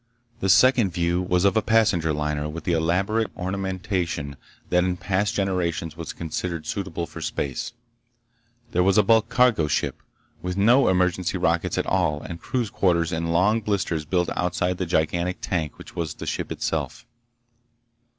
The second view was of a passenger liner with the elaborate ornamentation that in past generations was considered suitable for space. There was a bulk cargo ship, with no emergency rockets at all and crews' quarters in long blisters built outside the gigantic tank which was the ship itself.